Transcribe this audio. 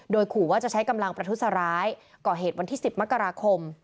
โดยขู่ว่าจะใช้กำลังประทุษร้ายก่อเหตุวันที่๑๐มกราคม